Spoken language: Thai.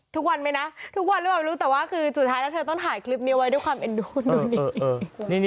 ทุกวันไหมนะทุกวันหรือเปล่าไม่รู้แต่ว่าคือสุดท้ายแล้วเธอต้องถ่ายคลิปนี้ไว้ด้วยความเอ็นดูนู่นนี่